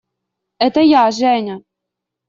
Это я – Женя!